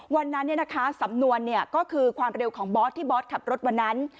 วันนั้นสำนวนก็คือความเร็วของบอสที่บอสขับรถวันนั้น